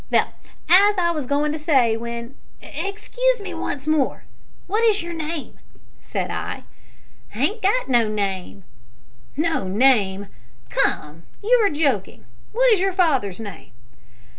Vell, as I was agoin' to say w'en " "Excuse me once more what is your name?" said I. "Hain't got no name." "No name! Come, you are joking. What is your father's name?"